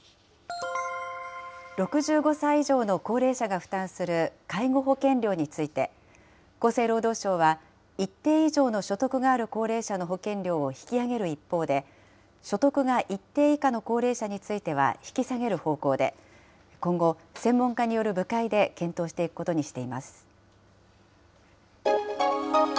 ６５歳以上の高齢者が負担する介護保険料について、厚生労働省は一定以上の所得がある高齢者の保険料を引き上げる一方で、所得が一定以下の高齢者については引き下げる方向で、今後、専門家による部会で検討していくことにしています。